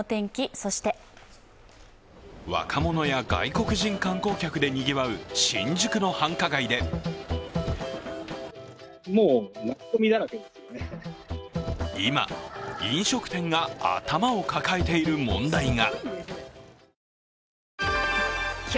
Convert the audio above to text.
若者や外国人観光客でにぎわう新宿の繁華街で今、飲食店が頭を抱えている問題が。